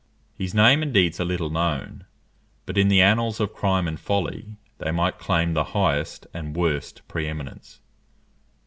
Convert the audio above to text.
His name and deeds are little known; but in the annals of crime and folly, they might claim the highest and worst pre eminence.